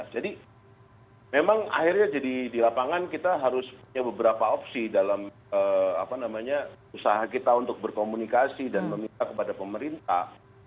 jadi memang akhirnya jadi di lapangan kita harus punya beberapa opsi dalam usaha kita untuk berkomunikasi dan meminta kepada pemerintah